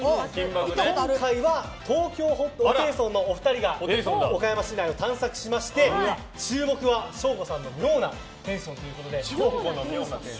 今回は東京ホテイソンのお二人が岡山市内を探索しまして注目はショーゴさんの妙なテンションということで。